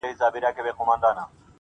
o بې پیسو نه دچا خپل نه د چا سیال یې,